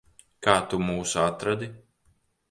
Kā tu mūs atradi?